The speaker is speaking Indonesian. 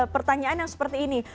pertanyaan yang seperti ini